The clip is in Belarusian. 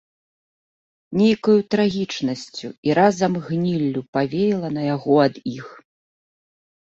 Нейкаю трагічнасцю і разам гніллю павеяла на яго ад іх.